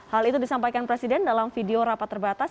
hal itu disampaikan presiden dalam video rapat terbatas